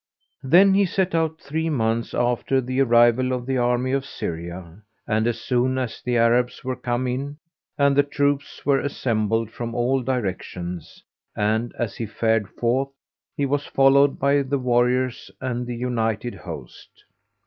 Then he set out three months after the arrival of the army of Syria, and as soon as the Arabs were come in and the troops were assembled from all directions; and, as he fared forth, he was followed by the warriors and the united host.